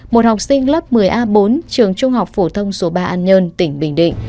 một học sinh lớp một mươi a bốn trường trung học phổ thông số ba an nhơn tỉnh bình định